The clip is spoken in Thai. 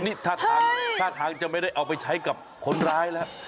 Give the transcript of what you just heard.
นี่ท่าทางท่าทางจะไม่ได้เอาไปใช้กับคนร้ายแล้ว